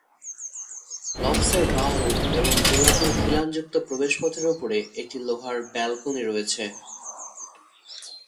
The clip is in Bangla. লপ্সের বাহু এবং গোলাকার খিলানযুক্ত প্রবেশপথের উপরে একটি লোহার ব্যালকনি রয়েছে।